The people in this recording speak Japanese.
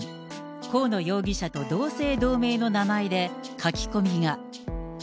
河野容疑者と同姓同名の名前で書き込みが。